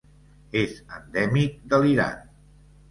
És endèmic de l'Iran.